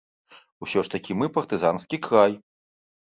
Усё ж такі мы партызанскі край.